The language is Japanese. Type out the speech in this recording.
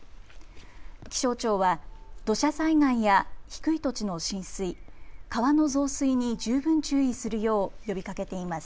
気象庁は土砂災害や低い土地の浸水、川の増水に十分注意するよう呼びかけています。